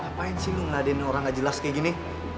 ngapain sih lo ngeladain orang gak jelas kayak gini